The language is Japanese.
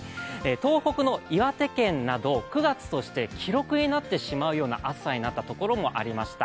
東北の岩手県など９月として記録になってしまうような暑さになった所もありました。